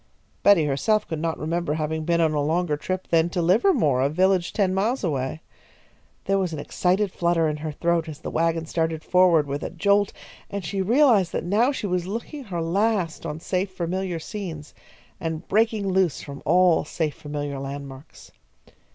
Betty herself could not remember having been on a longer trip than to Livermore, a village ten miles away. There was an excited flutter in her throat as the wagon started forward with a jolt, and she realised that now she was looking her last on safe familiar scenes, and breaking loose from all safe familiar landmarks.